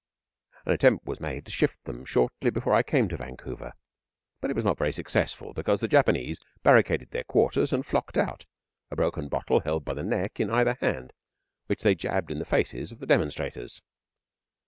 An attempt was made to shift them shortly before I came to Vancouver, but it was not very successful, because the Japanese barricaded their quarters and flocked out, a broken bottle held by the neck in either hand, which they jabbed in the faces of the demonstrators.